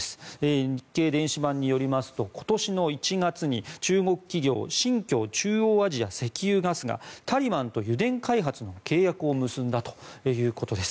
日経電子版によりますと今年１月、中国企業の新疆中央アジア石油ガスがタリバンと油田開発の契約を結んだということです。